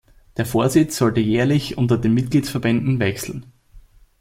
Der Vorsitz sollte jährlich unter den Mitgliedsverbänden wechseln.